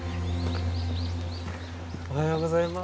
おはようございます。